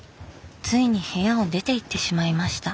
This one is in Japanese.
ついに部屋を出ていってしまいました。